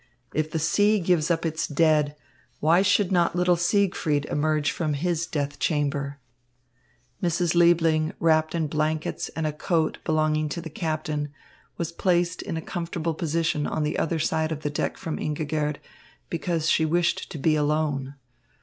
If the sea gives up its dead, why should not little Siegfried emerge from his death chamber? Mrs. Liebling, wrapped in blankets and a coat belonging to the captain, was placed in a comfortable position on the other side of the deck from Ingigerd, because she wished to be alone.